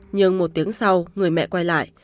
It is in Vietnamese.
nhưng một tiếng sau người mẹ quay lại